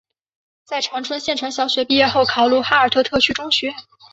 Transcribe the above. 在长春县城小学毕业后考入哈尔滨特区中学。